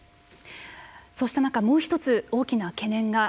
そうした中もう一つ大きな懸念が。